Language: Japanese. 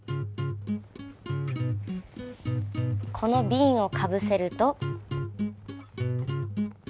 このビンをかぶせると。